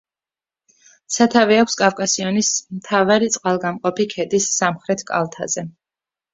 სათავე აქვს კავკასიონის მთავარი წყალგამყოფი ქედის სამხრეთ კალთაზე.